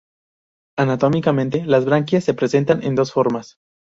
Anatómicamente las branquias se presentan en dos formas.